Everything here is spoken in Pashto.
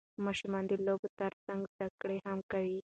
ماشومان د لوبو ترڅنګ زده کړه هم کوي